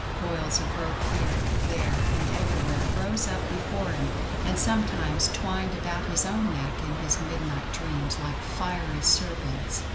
Coils of rope here, there, and everywhere rose up before him, and sometimes twined about his own neck in his midnight dreams, like fiery serpents.